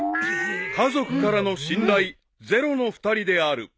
［家族からの信頼ゼロの２人である］